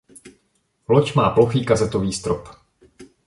Loď má plochý kazetový strop.